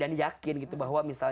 dan yakin gitu bahwa misalnya